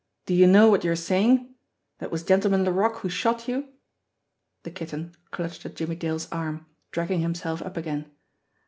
"Do you know what you are saying that it was Gentleman Laroque who shot you?" The Kitten clutched at Jimmie Dale's arm, dragging him self up again.